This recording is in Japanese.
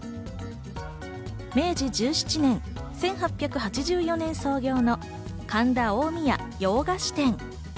明治１７年、１８８４年創業の神田近江屋洋菓子店。